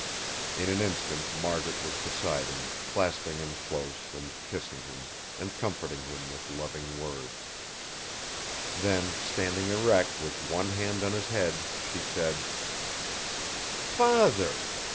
In an instant Margaret was beside him, clasping him close, and kissing him, and comforting him with loving words. Then, standing erect, with one hand on his head, she said: "Father!